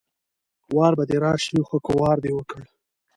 وار به دې راشي خو که وار دې وکړ